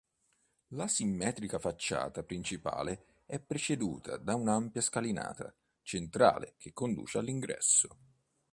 La simmetrica facciata principale è preceduta da un'ampia scalinata centrale, che conduce all'ingresso.